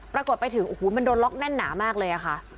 ปรากฏไปถึงโอ้โหมันโดนล็อกแน่นหนามากเลยอะค่ะ